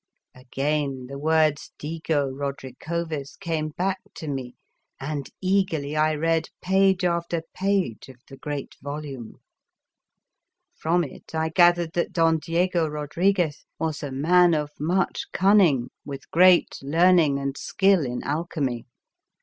Again the words " DIGO RODRI COVEZ " came back to me, and eagerly I read page after page of the great volume. From it I gathered that Don Diego Rodriguez was a man of much cun »39 Appendix ning, with great learning and skill in alchemy.